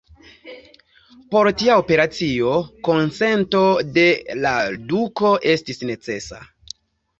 Por tia operacio, konsento de la duko estis necesa.